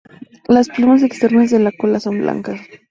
Las plumas externas de la cola son blancas.